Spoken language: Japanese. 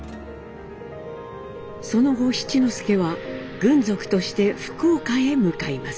その後七之助は軍属として福岡へ向かいます。